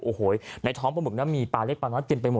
โอ้โหในท้องปลาหมึกนั้นมีปลาเล็กปลาน้อยเต็มไปหมด